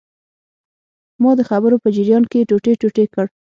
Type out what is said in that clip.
ما د خبرو په جریان کې ټوټې ټوټې کړ.